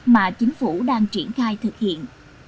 mà chính phủ đang triển khai thực hiện